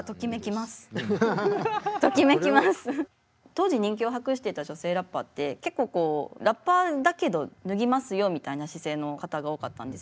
当時人気を博してた女性ラッパーって結構こうラッパーだけど脱ぎますよみたいな姿勢の方が多かったんですよね。